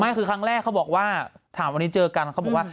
ไม่คือครั้งแรกเขาบอกว่าถามวันนี้เจอกันเขาบอกว่า